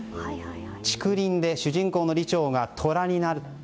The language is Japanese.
竹林で主人公の李朝が虎になる。